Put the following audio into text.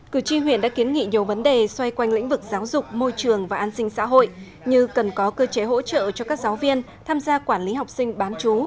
cử tri huyện đã kiến nghị nhiều vấn đề xoay quanh lĩnh vực giáo dục môi trường và an sinh xã hội như cần có cơ chế hỗ trợ cho các giáo viên tham gia quản lý học sinh bán chú